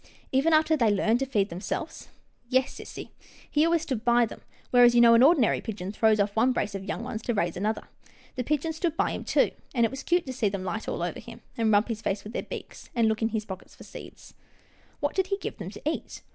" Even after they learned to feed themselves ?"" Yes, sissy, he always stood by them, whereas you know an ordinary pigeon throws off one brace of young ones to raise another. The pigeons stood by him, too, and it was cute to see them light all over him, and rub his face with their beaks, and look in his pockets for seeds." " What did he give them to eat